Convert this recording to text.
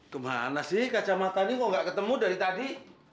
kemana sih kacamata ini kok gak ketemu dari tadi